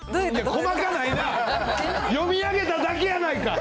細かないな、読み上げただけやないか！